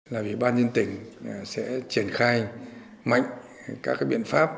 là ủy ban nhân tỉnh sẽ triển khai mạnh các biện pháp